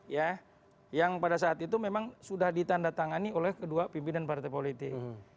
ya yang pada saat itu memang sudah ditandatangani oleh kedua pimpinan partai politik